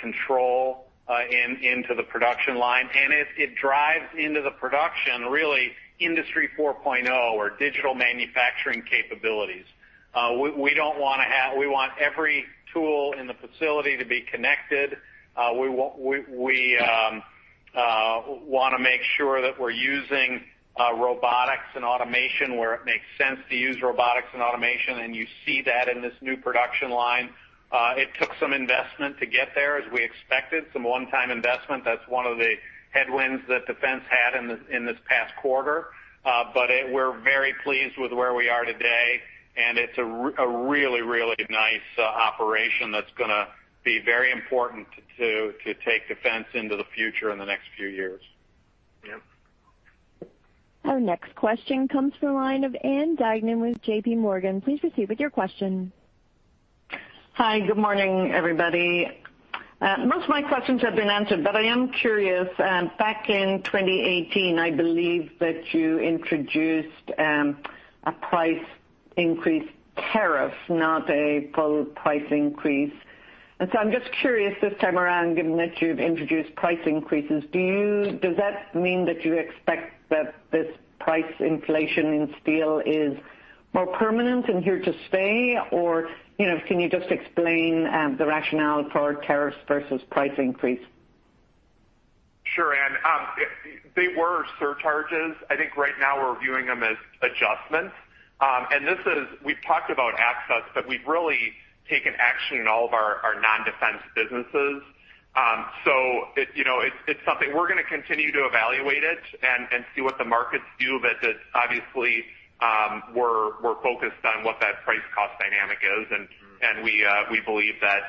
control into the production line, and it drives into the production really Industry 4.0 or digital manufacturing capabilities. We want every tool in the facility to be connected. We want to make sure that we're using robotics and automation where it makes sense to use robotics and automation, and you see that in this new production line. It took some investment to get there, as we expected, some one time investment. That's one of the headwinds that Defense had in this past quarter. We're very pleased with where we are today, and it's a really, really nice operation that's going to be very important to take Defense into the future in the next few years. Yeah. Our next question comes from the line of Ann Duignan with JPMorgan. Please proceed with your question. Hi. Good morning, everybody. Most of my questions have been answered. I am curious. Back in 2018, I believe that you introduced a price increase tariff, not a full price increase. I'm just curious this time around, given that you've introduced price increases, does that mean that you expect that this price inflation in steel is more permanent and here to stay? Can you just explain the rationale for tariffs versus price increase? Sure, Ann. They were surcharges. I think right now we're viewing them as adjustments. We've talked about Access, but we've really taken action in all of our non-Defense businesses. It's something we're going to continue to evaluate it and see what the markets do. Obviously, we're focused on what that price cost dynamic is. We believe that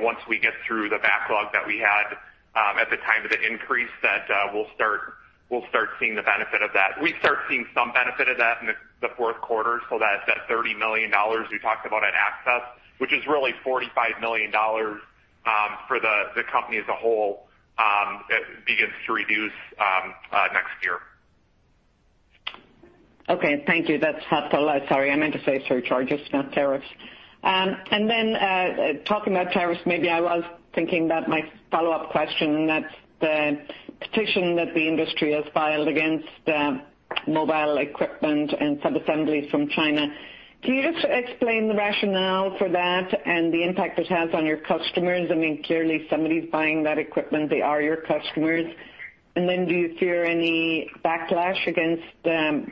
once we get through the backlog that we had at the time of the increase, that we'll start seeing the benefit of that. We start seeing some benefit of that in the fourth quarter. That $30 million we talked about at Access, which is really $45 million for the company as a whole, begins to reduce next year. Okay. Thank you. That's helpful. Sorry, I meant to say surcharges, not tariffs. Talking about tariffs, maybe I was thinking that my follow-up question, and that's the petition that the industry has filed against mobile equipment and subassemblies from China. Can you just explain the rationale for that and the impact it has on your customers? Clearly somebody's buying that equipment, they are your customers. Do you fear any backlash against the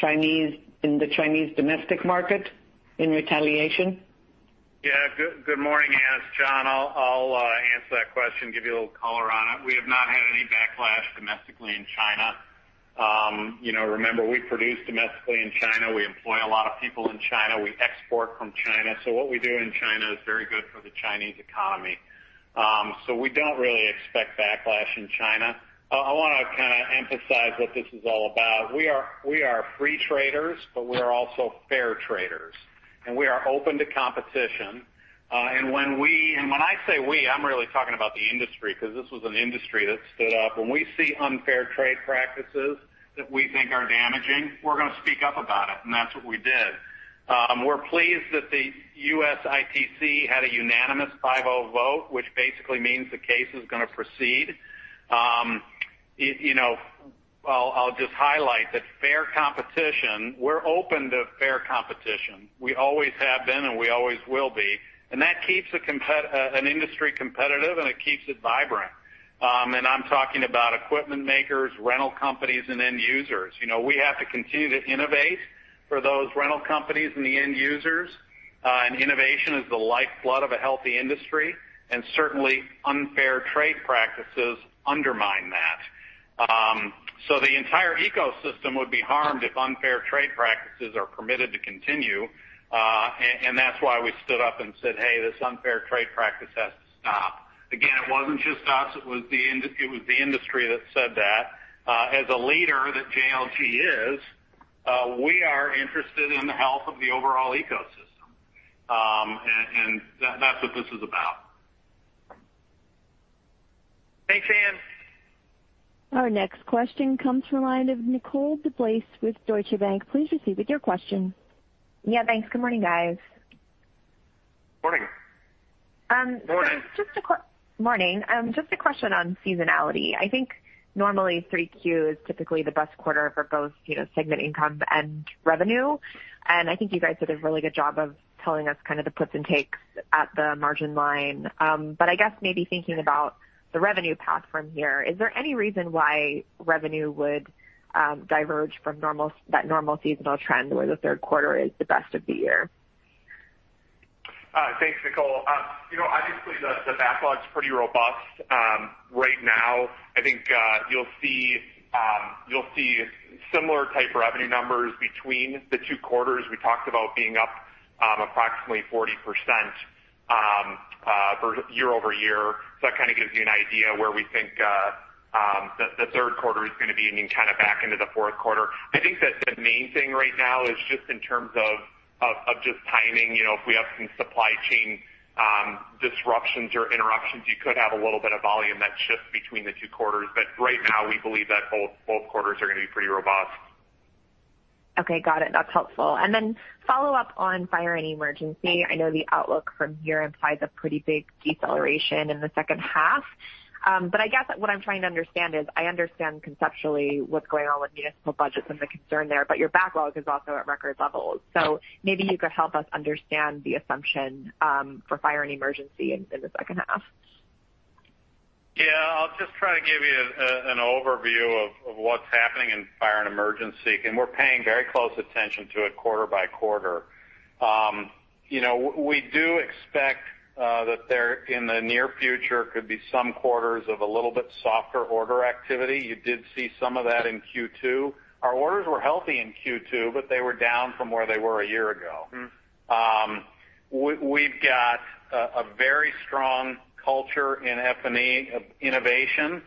Chinese in the Chinese domestic market in retaliation? Good morning, Ann. It's John. I'll answer that question, give you a little color on it. We have not had any backlash domestically in China. Remember, we produce domestically in China. We employ a lot of people in China. We export from China. What we do in China is very good for the Chinese economy. We don't really expect backlash in China. I want to kind of emphasize what this is all about. We are free traders, but we're also fair traders, and we are open to competition. When I say we, I'm really talking about the industry because this was an industry that stood up. When we see unfair trade practices that we think are damaging, we're going to speak up about it. That's what we did. We're pleased that the U.S. ITC had a unanimous 5-0 vote, which basically means the case is going to proceed. I'll just highlight that fair competition, we're open to fair competition. We always have been, and we always will be. That keeps an industry competitive, and it keeps it vibrant. I'm talking about equipment makers, rental companies, and end users. We have to continue to innovate for those rental companies and the end users. Innovation is the lifeblood of a healthy industry, and certainly unfair trade practices undermine that. The entire ecosystem would be harmed if unfair trade practices are permitted to continue. That's why we stood up and said, "Hey, this unfair trade practice has to stop." Again, it wasn't just us, it was the industry that said that. As a leader that JLG is, we are interested in the health of the overall ecosystem. That's what this is about. Thanks, Ann. Our next question comes from the line of Nicole DeBlase with Deutsche Bank. Please proceed with your question. Thanks. Good morning, guys. Morning. Morning. Morning. Just a question on seasonality. I think normally 3Q is typically the best quarter for both segment income and revenue. I think you guys did a really good job of telling us kind of the puts and takes at the margin line. I guess maybe thinking about the revenue path from here, is there any reason why revenue would diverge from that normal seasonal trend where the third quarter is the best of the year? Thanks, Nicole. Obviously the backlog's pretty robust. Right now, I think you'll see similar type revenue numbers between the two quarters. We talked about being up approximately 40% year-over-year. That kind of gives you an idea where we think the third quarter is going to be and kind of back into the fourth quarter. I think that the main thing right now is just in terms of just timing. If we have some supply chain disruptions or interruptions, you could have a little bit of volume that shifts between the two quarters. Right now, we believe that both quarters are going to be pretty robust. Okay. Got it. That's helpful. Follow up on Fire & Emergency. I know the outlook from here implies a pretty big deceleration in the second half. I guess what I'm trying to understand is, I understand conceptually what's going on with municipal budgets and the concern there, but your backlog is also at record levels. Maybe you could help us understand the assumption for Fire & Emergency in the second half. Yeah. I'll just try to give you an overview of what's happening in Fire & Emergency. We're paying very close attention to it quarter by quarter. You do expect that there in the near future could be some quarters of a little bit softer order activity. You did see some of that in Q2. Our orders were healthy in Q2, but they were down from where they were a year ago. We've got a very strong culture in F&E of innovation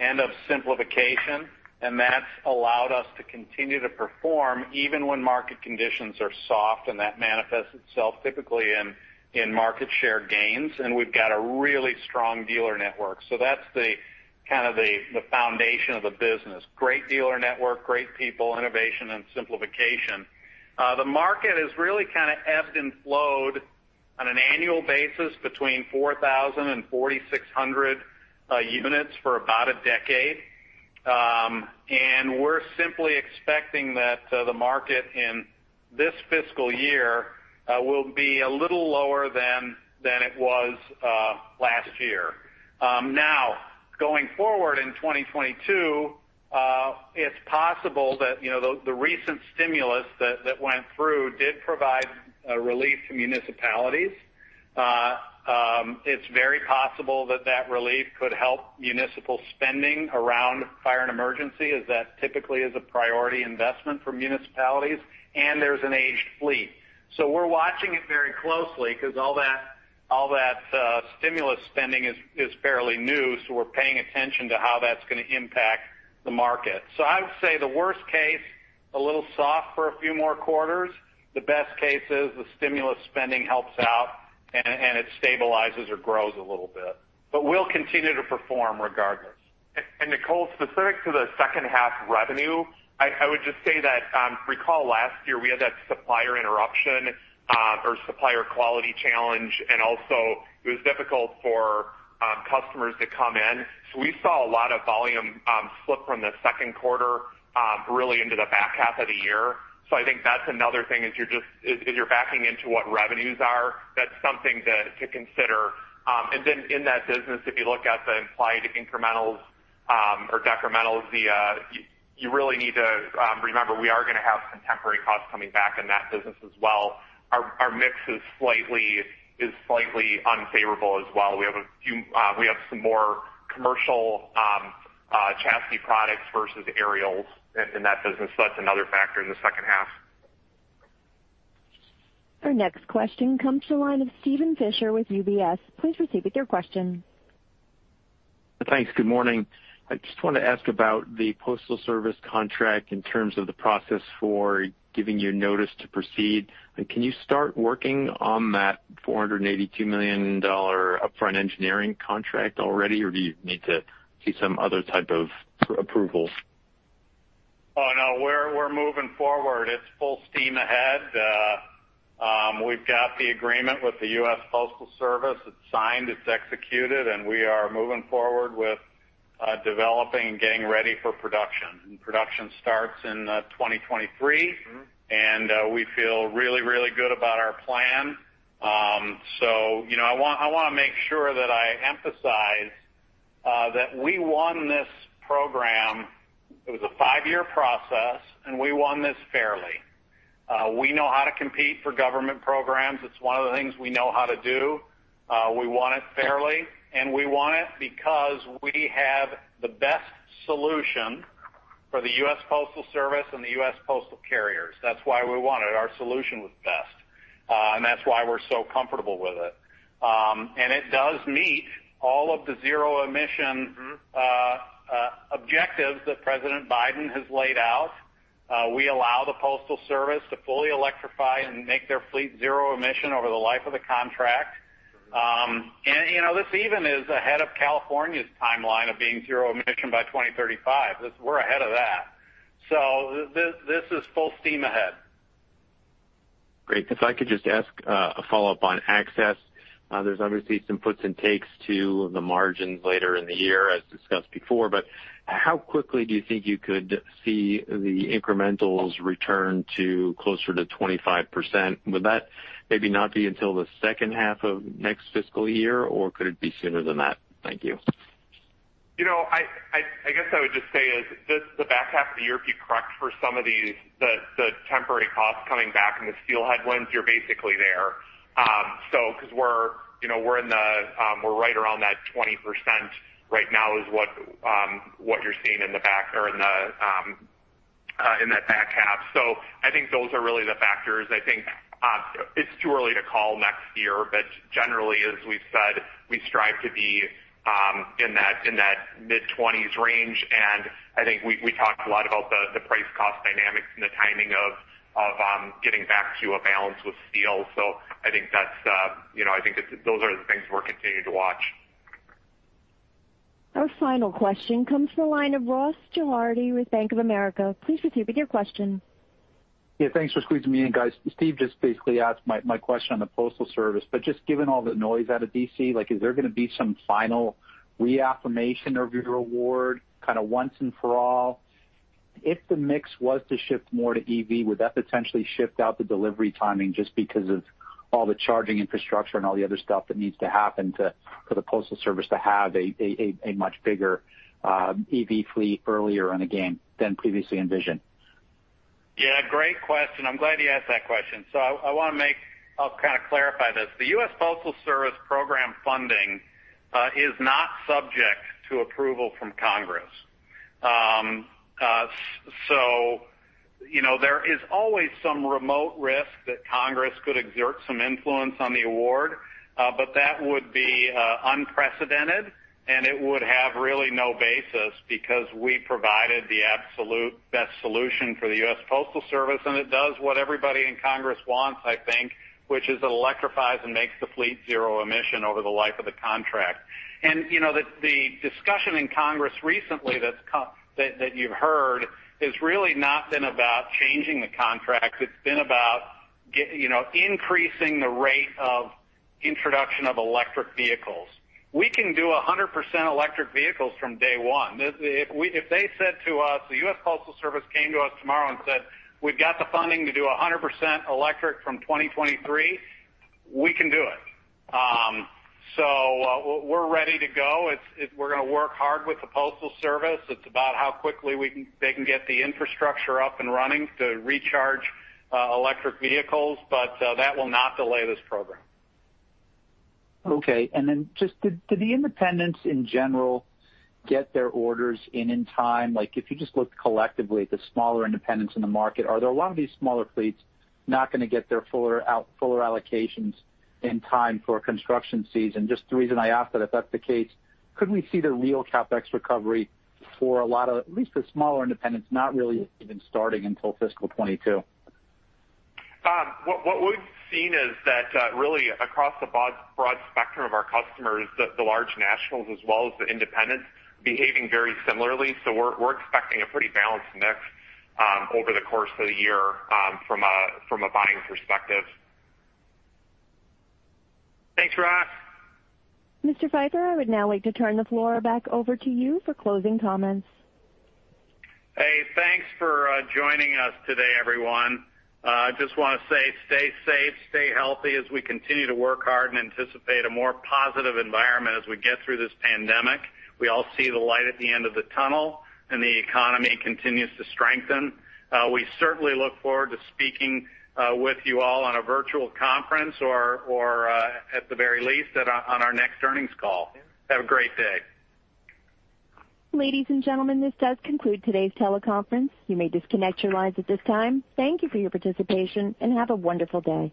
and of simplification, and that's allowed us to continue to perform even when market conditions are soft, and that manifests itself typically in market share gains. We've got a really strong dealer network. That's kind of the foundation of the business. Great dealer network, great people, innovation and simplification. The market has really ebbed and flowed on an annual basis between 4,000 and 4,600 units for about a decade. We're simply expecting that the market in this fiscal year will be a little lower than it was last year. Now, going forward in 2022, it's possible that the recent stimulus that went through did provide a relief to municipalities. It's very possible that that relief could help municipal spending around Fire & Emergency, as that typically is a priority investment for municipalities, and there's an aged fleet. We're watching it very closely because all that stimulus spending is fairly new, so we're paying attention to how that's going to impact the market. I would say the worst case, a little soft for a few more quarters. The best case is the stimulus spending helps out and it stabilizes or grows a little bit. We'll continue to perform regardless. Nicole, specific to the second half revenue, I would just say that, recall last year, we had that supplier interruption, or supplier quality challenge, and also it was difficult for customers to come in. We saw a lot of volume slip from the second quarter really into the back half of the year. I think that's another thing, as you're backing into what revenues are, that's something to consider. Then in that business, if you look at the implied incrementals, or decrementals, you really need to remember, we are going to have some temporary costs coming back in that business as well. Our mix is slightly unfavorable as well. We have some more commercial chassis products versus aerials in that business. That's another factor in the second half. Our next question comes to the line of Steven Fisher with UBS. Please proceed with your question. Thanks. Good morning. I just want to ask about the Postal Service contract in terms of the process for giving you notice to proceed. Can you start working on that $482 million upfront engineering contract already, or do you need to see some other type of approvals? Oh, no, we're moving forward. It's full steam ahead. We've got the agreement with the United States Postal Service. It's signed, it's executed, and we are moving forward with developing and getting ready for production. Production starts in 2023. We feel really, really good about our plan. I want to make sure that I emphasize that we won this program. It was a five-year process, and we won this fairly. We know how to compete for government programs. It's one of the things we know how to do. We won it fairly, and we won it because we have the best solution for the U.S. Postal Service and the U.S. postal carriers. That's why we won it. Our solution was best. That's why we're so comfortable with it. It does meet all of the zero-emission- objectives that President Biden has laid out. We allow the Postal Service to fully electrify and make their fleet zero-emission over the life of the contract. This even is ahead of California's timeline of being zero-emission by 2035. We're ahead of that. This is full steam ahead. Great. If I could just ask a follow-up on Access. There's obviously some puts and takes to the margins later in the year as discussed before. How quickly do you think you could see the incrementals return to closer to 25%? Would that maybe not be until the second half of next fiscal year, or could it be sooner than that? Thank you. I guess I would just say is, the back half of the year, if you correct for some of the temporary costs coming back and the steel headwinds, you're basically there. We're right around that 20% right now is what you're seeing in that back half. I think those are really the factors. I think it's too early to call next year, but generally, as we've said, we strive to be in that mid-20s range. I think we talked a lot about the price cost dynamics and the timing of getting back to a balance with steel. I think those are the things we're continuing to watch. Our final question comes from the line of Ross Gilardi with Bank of America. Please proceed with your question. Yeah, thanks for squeezing me in, guys. Steve just basically asked my question on the Postal Service. Just given all the noise out of D.C., is there going to be some final reaffirmation of your award once and for all? If the mix was to shift more to EV, would that potentially shift out the delivery timing just because of all the charging infrastructure and all the other stuff that needs to happen for the Postal Service to have a much bigger EV fleet earlier in the game than previously envisioned? Yeah, great question. I'm glad you asked that question. I'll clarify this. The US Postal Service program funding is not subject to approval from Congress. There is always some remote risk that Congress could exert some influence on the award, but that would be unprecedented, and it would have really no basis because we provided the absolute best solution for the US Postal Service, and it does what everybody in Congress wants, I think, which is it electrifies and makes the fleet zero-emission over the life of the contract. The discussion in Congress recently that you've heard has really not been about changing the contract. It's been about increasing the rate of introduction of electric vehicles. We can do 100% electric vehicles from day one. If the U.S. Postal Service came to us tomorrow and said, "We've got the funding to do 100% electric from 2023," we can do it. We're ready to go. We're going to work hard with the Postal Service. It's about how quickly they can get the infrastructure up and running to recharge electric vehicles. That will not delay this program. Did the independents in general get their orders in in time? If you just looked collectively at the smaller independents in the market, are there a lot of these smaller fleets not going to get their fuller allocations in time for construction season? The reason I ask that if that's the case, couldn't we see the real CapEx recovery for a lot of at least the smaller independents not really even starting until fiscal 2022? What we've seen is that really across the broad spectrum of our customers, the large nationals as well as the independents behaving very similarly. We're expecting a pretty balanced mix over the course of the year from a buying perspective. Thanks, Ross. Mr. Pfeifer, I would now like to turn the floor back over to you for closing comments. Hey, thanks for joining us today, everyone. Just want to say stay safe, stay healthy as we continue to work hard and anticipate a more positive environment as we get through this pandemic. We all see the light at the end of the tunnel, and the economy continues to strengthen. We certainly look forward to speaking with you all on a virtual conference or at the very least on our next earnings call. Have a great day. Ladies and gentlemen, this does conclude today's teleconference. You may disconnect your lines at this time. Thank you for your participation, and have a wonderful day.